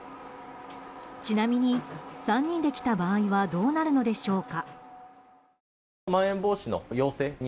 ちなみに、３人で来た場合はどうなるのでしょうか。